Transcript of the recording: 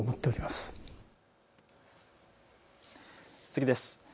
次です。